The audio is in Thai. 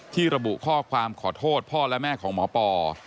ระบุข้อความขอโทษพ่อและแม่ของหมอปอ